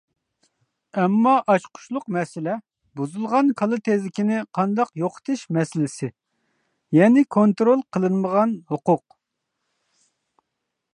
ئەمما ئاچقۇچلۇق مەسىلە بۇزۇلغان كالا تېزىكىنى قانداق يوقىتىش مەسىلىسى، يەنى كونترول قىلىنمىغان ھوقۇق.